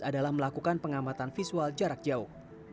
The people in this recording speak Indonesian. adalah melakukan pengamatan visual jarak jauh